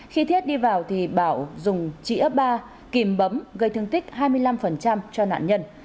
khi thiết đi vào bảo dùng trĩa ba kìm bấm gây thương tích hai mươi năm cho nạn nhân